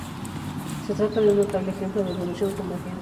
Se trata de un notable ejemplo de evolución convergente.